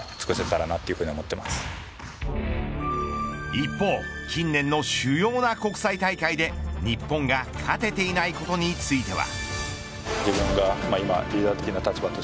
一方、近年の主要な国際大会で日本が勝てていないことについては。